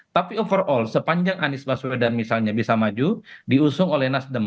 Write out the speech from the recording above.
tapi overall sepanjang anies baswedan misalnya bisa maju diusung oleh nasdem